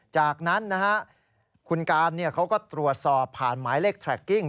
จากนั้นนะฮะคุณการเขาก็ตรวจสอบผ่านหมายเลขแทรกกิ้ง